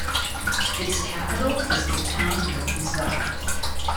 Its capital is the town of Izarra.